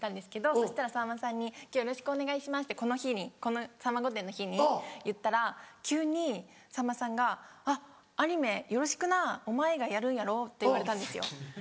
そしたらさんまさんに「今日よろしくお願いします」ってこの日にこの『さんま御殿‼』の日に言ったら急にさんまさんが「あっアニメよろしくなお前がやるんやろ」って言われたんですよ。